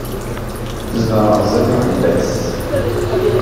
Zedɣeɣ sdat uḥebbas.